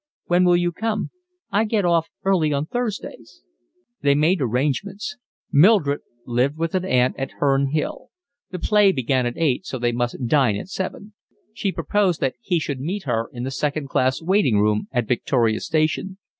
"When will you come?" "I get off early on Thursdays." They made arrangements. Mildred lived with an aunt at Herne Hill. The play began at eight so they must dine at seven. She proposed that he should meet her in the second class waiting room at Victoria Station.